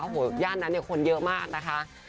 โอ้โหย่านนั้นคนเหลือมากนะคะ